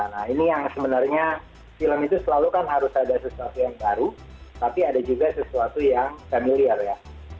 nah ini yang sebenarnya film itu selalu kan harus ada sesuatu yang baru tapi ada juga sesuatu yang familiar ya